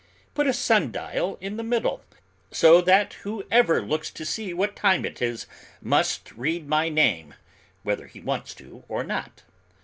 Put a sun dial in the middle, so that whoever looks to see what time it is must read my name whether he wants to or not.